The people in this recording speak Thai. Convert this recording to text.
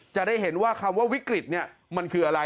จะได้เห็นว่าคำว่าวิกฤตมันคืออะไร